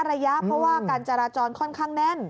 ระยะเพราะว่าการจราจรค่อนข้างแน่น